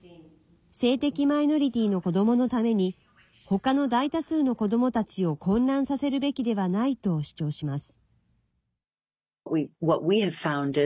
性的マイノリティーの子どものために他の大多数の子どもたちを混乱させるべきではないと主張します。